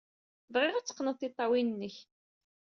Bɣiɣ ad teqqned tiṭṭawin-nnek.